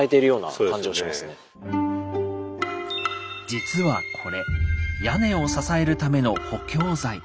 実はこれ屋根を支えるための補強材。